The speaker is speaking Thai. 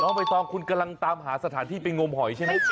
ใบตองคุณกำลังตามหาสถานที่ไปงมหอยใช่ไหม